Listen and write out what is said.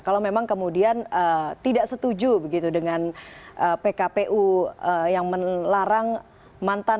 kalau memang kemudian tidak setuju begitu dengan pkpu yang melarang mantan